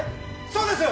そうです！